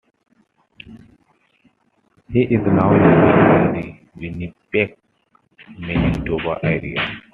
He is now living in the Winnipeg, Manitoba area.